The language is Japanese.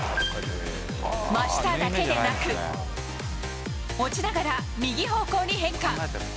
真下だけでなく、落ちながら右方向に変化。